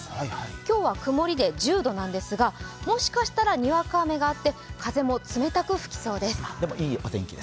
今日は曇りで１０度なんですがもしかしたらにわか雨があって風も冷たく吹きそうです。